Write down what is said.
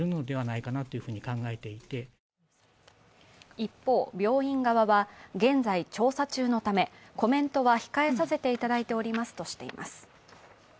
一方病院側は現在調査中のためコメントは控えさせていただいておりますとしています。